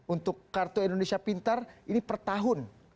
untuk kartu indonesia pintar ini per tahun